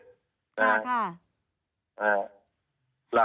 ค่ะ